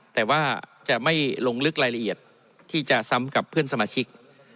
แต่ว่าจะไม่ลงลึกรายละเอียดที่จะซ้ำกับเพื่อนสมาชิก